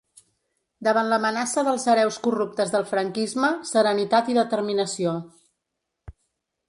Davant l'amenaça dels hereus corruptes del franquisme, serenitat i determinació.